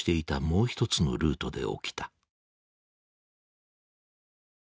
もう一つのルートで起きた。